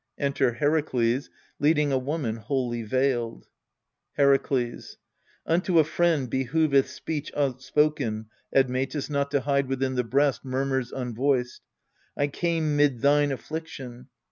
Enter HERAKLES, leading a woman wholly veiled llerakles. Unto a friend behooveth speech outspoken, Admetus, not to hide within the breast Murmurs unvoiced. I came mid thine affliction.